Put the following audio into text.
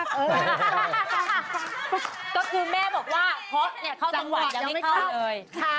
ก็คือแม่บอกว่าเขาจังหวะยังไม่เข้า